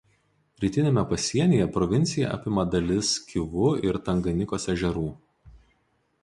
Rytiniame pasienyje provincija apima dalis Kivu ir Tanganikos ežerų.